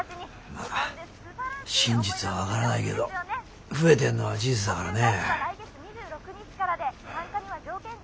まあ真実は分からないけど増えてんのは事実だからね。